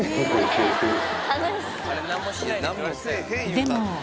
でも。